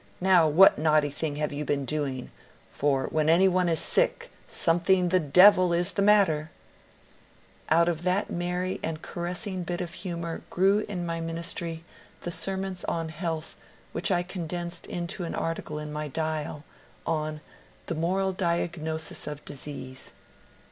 Now what naughty thing have you been doing, for when any one is sick something the devil is the matter !" Out of that merry and caressing bit of humour grew in my ministry the sermons on health which I condensed into an article in my ^* Dial," on *^ The Moral Diagnosis of Disease.